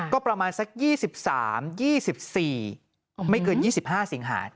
ก็ประมาณสัก๒๓๒๔ไม่เกิน๒๕สิงหา